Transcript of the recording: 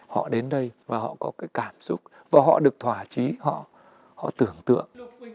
họ đến đây và họ có cái cảm xúc và họ được thỏa chí họ tưởng tượng